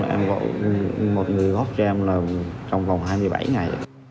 em gọi một người góp cho em là trong vòng hai mươi bảy ngày